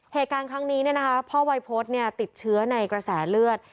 เหตุการณ์ครั้งนี้พ่อวัยพฤษติดเชื้อในกระแสเลือด